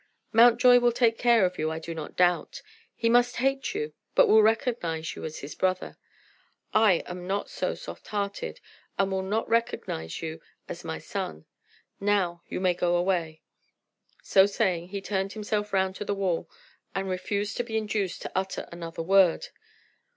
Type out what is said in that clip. Mountjoy will take care of you, I do not doubt. He must hate you, but will recognize you as his brother. I am not so soft hearted and will not recognize you as my son. Now you may go away." So saying, he turned himself round to the wall, and refused to be induced to utter another word.